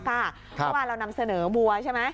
เมื่อวานเรานำเสนอวัวใช่ไหม